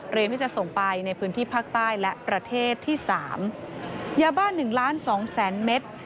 ที่จะส่งไปในพื้นที่ภาคใต้และประเทศที่สามยาบ้าหนึ่งล้านสองแสนเมตร